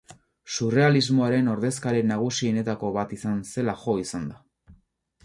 Surrealismoaren ordezkari nagusienetako bat izan zela jo izan da.